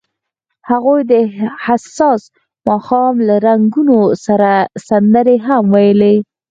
هغوی د حساس ماښام له رنګونو سره سندرې هم ویلې.